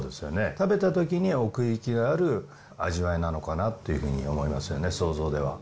食べたときに奥行きがある味わいなのかなというふうに思いますよ